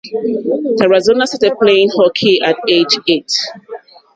Tarazona started playing hockey at age eight.